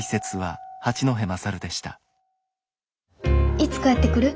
・いつ帰ってくる？